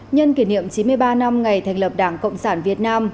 nhân kỷ niệm chín mươi ba năm ngày thành lập đảng cộng sản việt nam